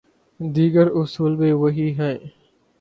دیگر اصول بھی وہی ہیں۔